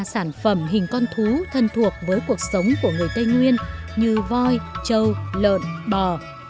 những sản phẩm hình con thuốc thân thuộc với cuộc sống của người tây nguyên như voi trâu lợn bò